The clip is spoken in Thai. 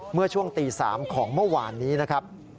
เมื่อช่วงตี๓ของเมื่อวานนี้นะครับ